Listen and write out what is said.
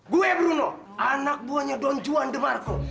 gue bruno anak buahnya don juan de marco